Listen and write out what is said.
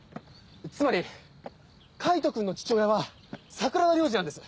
つまり海人くんの父親は桜田良次なんです。